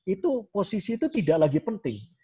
itu posisi itu tidak lagi penting